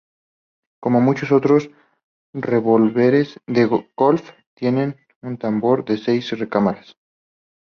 Como muchos otros revólveres de Colt, tiene un tambor de seis recámaras.